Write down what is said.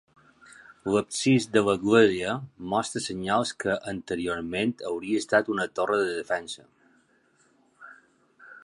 L'absis de l'església mostra senyals que anteriorment hauria estat una torre de defensa.